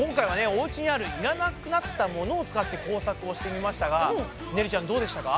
おうちにあるいらなくなったものを使って工作をしてみましたがねるちゃんどうでしたか？